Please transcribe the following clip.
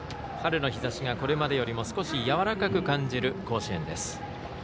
春の日ざしがこれまでよりも少しやわらかく感じる甲子園です。